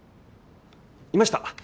いました。